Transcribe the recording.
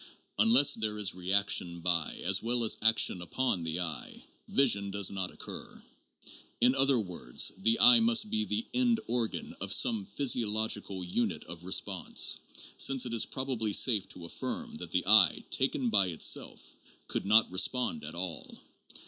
Unless there is reaction by as well as action upon the eye, vision does not occur. In other words, the eye must be the end organ of some physiological unit of response, since it is probably safe to affirm that the eye taken by itself could not respond at all.